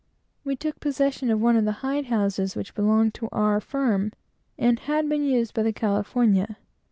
We took possession of one of the hide houses, which belonged to our firm, and had been used by the California.